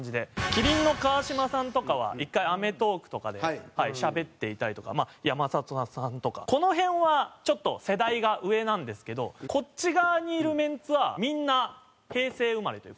麒麟の川島さんとかは１回『アメトーーク』とかでしゃべっていたりとか山里さんとかこの辺はちょっと世代が上なんですけどこっち側にいるメンツはみんな平成生まれというか。